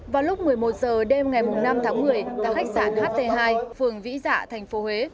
vào lúc một mươi một h đêm ngày năm tháng một mươi tại khách sạn ht hai phường vĩ giả thành phố huế